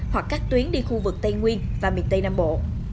hoặc các tuyến đi khu vực tây nguyên và miền tây nam bộ